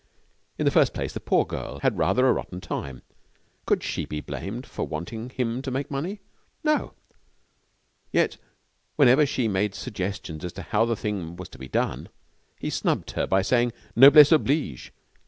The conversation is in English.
In the first place, the poor girl had rather a rotten time. Could she be blamed for wanting him to make money? No. Yet whenever she made suggestions as to how the thing was to be done, he snubbed her by saying noblesse oblige.